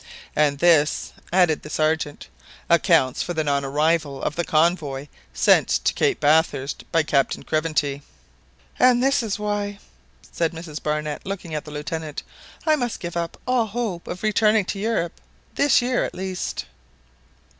"And this," added the Sergeant, "accounts for the non arrival of the convoy sent to Cape Bathurst by Captain Craventy." "And this is why," said Mrs. Barnett, looking at the Lieutenant, "I must give up all hope of returning to Europe this year at least!"